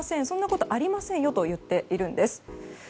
そんなことありませんと言っているんです。